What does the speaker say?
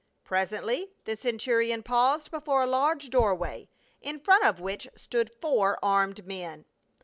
Presently the centurion paused before a large doorway, in front of which stood four armed men.